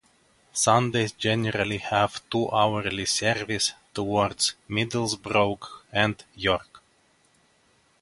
Sundays generally have two-hourly service towards Middlesbrough and York.